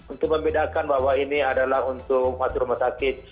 untuk membedakan bahwa ini adalah untuk satu rumah sakit